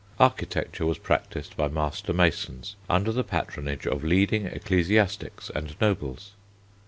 Architecture was practised by master masons under the patronage of leading ecclesiastics and nobles.